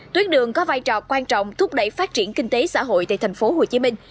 tuyến đường có vai trò quan trọng thúc đẩy phát triển kinh tế xã hội tại thành phố hồ chí minh